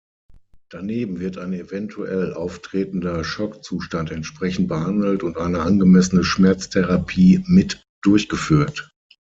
Daneben wird ein eventuell auftretender Schockzustand entsprechend behandelt und eine angemessene Schmerztherapie mit durchgeführt.